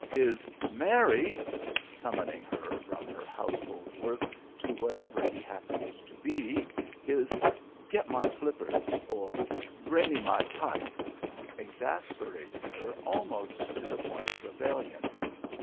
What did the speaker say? His "Mary!" summoning her from her household work to wherever he happened to be, his "Get my slippers," or "Bring me my pipe," exasperated her almost to the point of rebellion.